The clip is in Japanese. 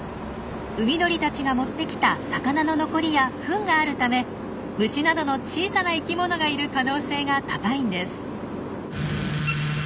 海鳥たちが持ってきた魚の残りやフンがあるため虫などの小さな生きものがいる可能性が高いんです。